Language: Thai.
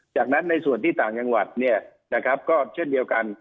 จากนั้นในส่วนที่ต่างจังหวัดเนี่ยนะครับก็เช่นเดียวกัน